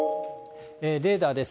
レーダーです。